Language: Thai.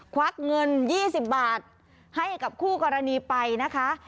ควักเงิน๒๐บาทให้กับคู่กรณีไปนะคะ